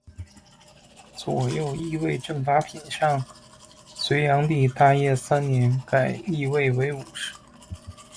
左右翊卫正八品上，隋炀帝大业三年改翊卫为武侍。